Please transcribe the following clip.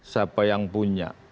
siapa yang punya